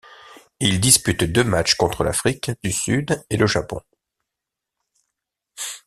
Il dispute deux matchs contre l'Afrique du Sud et le Japon.